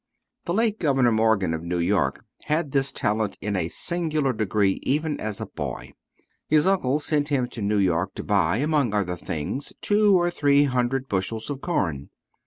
The late Governor Morgan of New York had this talent in a singular degree even as a boy. His uncle sent him to New York, to buy, among other things, two or three hundred bushels of corn.